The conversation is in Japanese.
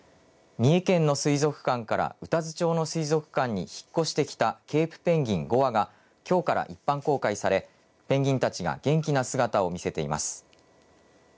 三重県の水族館から宇多津町の水族館に引っ越してきたケープペンギン５羽が、きょうから一般公開されペンギンたちが元気な姿を見せています。